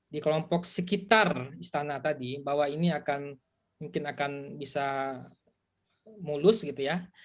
di kelompok sekitar istana tadi bahwa ini akan mungkin akan bisa mulus gitu ya